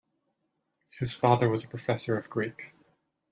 His father was a professor of Greek.